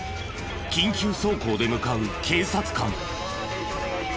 緊急走行で向かう警察官。